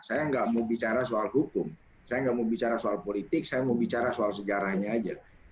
saya nggak mau bicara soal hukum saya nggak mau bicara soal politik saya mau bicara soal sejarahnya aja